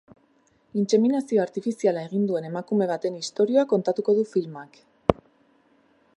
Intseminazio artifiziala egin duen emakume baten istorioa kontatuko du filmak.